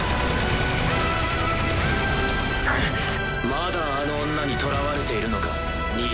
まだあの女にとらわれているのか兄さん。